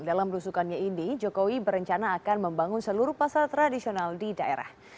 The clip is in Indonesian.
dalam belusukannya ini jokowi berencana akan membangun seluruh pasar tradisional di daerah